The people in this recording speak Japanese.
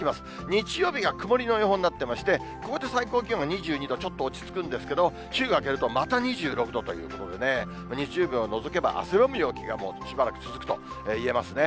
日曜日が曇りの予報になってまして、ここで最高気温が２２度、ちょっと落ち着くんですけど、週が明けるとまた２６度ということでね、日曜日を除けば、汗ばむような陽気がしばらく続くと言えますね。